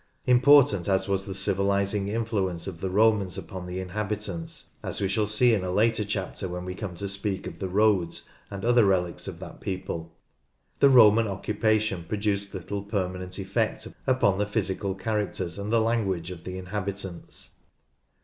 Important as was the civilising PEOPLE— RACE, LANGUAGE, ETC. 87 influence of the Romans upon the inhabitants, as we shall see in a later chapter when we come to speak of the roads and other relics of that people, the Roman occupation produced little permanent effect upon the physical characters and the language of the inhabitants.